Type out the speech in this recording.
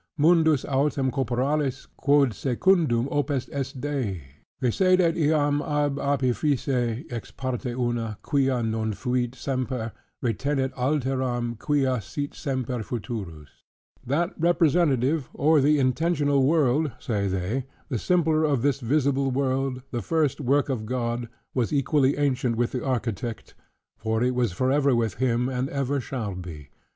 Mundus autem corporalis, quod secundum opus est Dei, decedit iam ab opifice ex parte una, quia non fuit semper: retinet alteram, quia sit semper futurus": "That representative, or the intentional world (say they) the sampler of this visible world, the first work of God, was equally ancient with the architect; for it was forever with him, and ever shall be.